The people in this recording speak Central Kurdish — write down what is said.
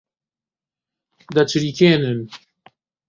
دەچریکێنن